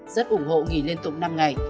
rất ủng hộ nghỉ liên tục năm ngày